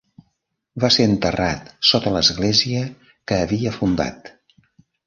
Va ser enterrat sota l'església que havia fundat.